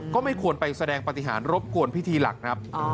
ก็ไม่ควรไปแสดงปฏิหารรบกวนพิธีหลักครับ